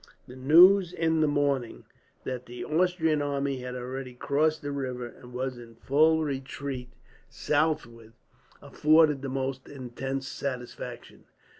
The news, in the morning, that the Austrian army had already crossed the river and was in full retreat southwards, afforded the most intense satisfaction.